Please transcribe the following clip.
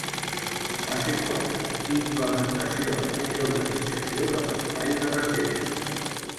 Fase quatre: implementació de la reorganització de l'espai de reserva.